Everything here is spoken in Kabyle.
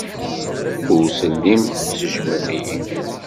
Ur tellim tettejjmem-iyi.